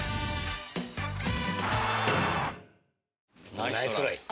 ナイストライ